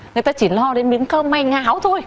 người ta chỉ lo đến miếng cơm may ngáo thôi